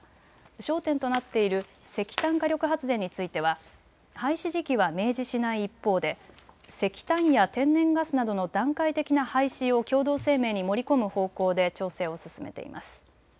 焦点となっている石炭火力発電については廃止時期は明示しない一方で石炭や天然ガスなどの段階的な廃止を共同声明に盛り込む方向で調整を進めています。